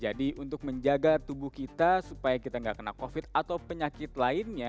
jadi untuk menjaga tubuh kita supaya kita gak kena covid atau penyakit lainnya